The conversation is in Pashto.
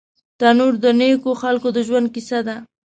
تنور د نیکو خلکو د ژوند کیسه ده